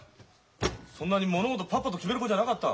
そんなに物事ぱっぱと決める子じゃなかった。